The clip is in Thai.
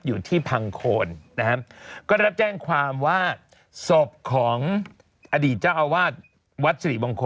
สนุนโดยอีซูซูดีแมคบลูพาวเวอร์นวัตกรรมเปลี่ยนโลก